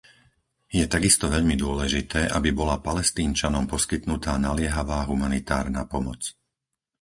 Je takisto veľmi dôležité, aby bola Palestínčanom poskytnutá naliehavá humanitárna pomoc.